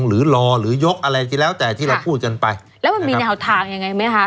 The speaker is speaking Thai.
หรือรอหรือยกอะไรที่แล้วแต่ที่เราพูดกันไปแล้วมันมีแนวทางยังไงไหมคะ